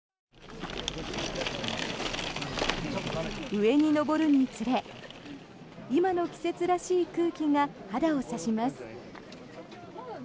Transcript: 上に登るにつれ今の季節らしい空気が肌を差します。